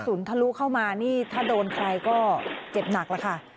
ทะลุเข้ามานี่ถ้าโดนใครก็เจ็บหนักแล้วค่ะ